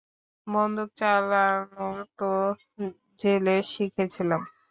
বন্দুক চালানো তো জেলে শিখেছিলাম।